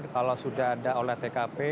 kalau sudah ada olah tkp